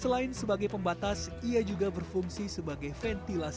selain sebagai pembatas ia juga berfungsi sebagai perhiasan terawang bermotif geometris